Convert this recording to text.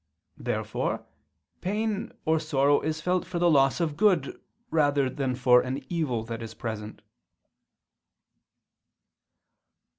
Therefore pain or sorrow is felt for the loss of good rather than for an evil that is present.